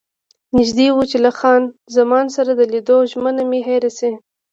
نژدې وو چې له خان زمان سره د لیدو ژمنه مې هېره شي.